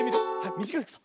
みじかいくさ。